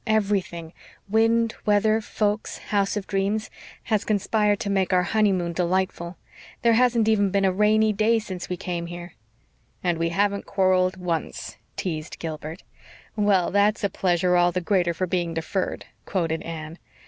Everything wind, weather, folks, house of dreams has conspired to make our honeymoon delightful. There hasn't even been a rainy day since we came here." "And we haven't quarrelled once," teased Gilbert. "Well, 'that's a pleasure all the greater for being deferred,'" quoted Anne.